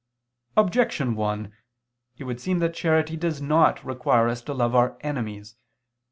Objection 1: It would seem that charity does not require us to love our enemies.